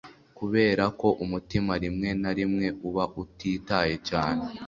kuberako umutima rimwe na rimwe uba utitaye cyane